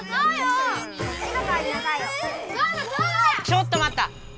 ちょっとまった！